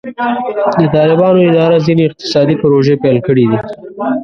د طالبانو اداره ځینې اقتصادي پروژې پیل کړي دي.